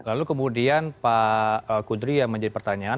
lalu kemudian pak kudri yang menjadi pertanyaan